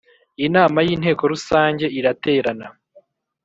inama y Inteko Rusange iraterana